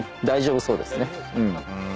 「大丈夫そうですね」